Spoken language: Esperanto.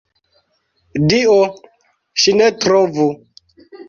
Dio, ŝi ne trovu!